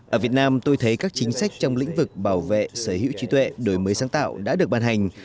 ở việt nam tôi thấy các chính sách trong lĩnh vực bảo vệ sở hữu trí tuệ đổi mới sáng tạo đã được ban hành